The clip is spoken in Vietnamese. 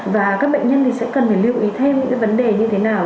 và các bệnh nhân thì sẽ cần phải lưu ý thêm những vấn đề như thế nào